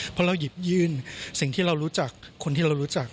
เพราะเราหยิบยื่นสิ่งที่เรารู้จักคนที่เรารู้จัก